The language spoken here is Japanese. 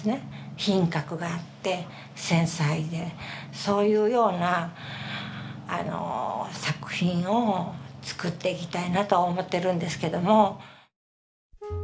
品格があって繊細でそういうような作品を作っていきたいなとは思ってるんですけども。